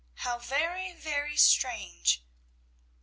How very, very strange!